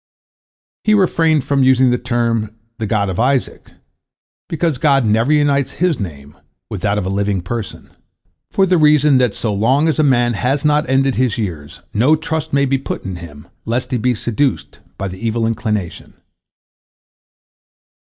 He refrained from using the term "the God of Isaac," because God never unites His name with that of a living person, for the reason that so long as a man has not ended his years, no trust may be put in him, lest he be seduced by the evil inclination.